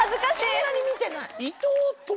そんなに見てない。